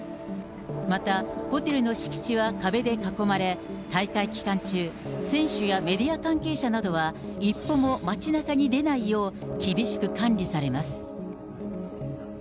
またホテルの敷地は壁で囲まれ、大会期間中、選手やメディア関係者などは、一歩も街なかに出ないよう厳しく管理されます。